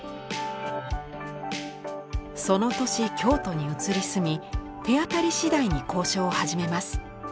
その年京都に移り住み手当たりしだいに交渉を始めます。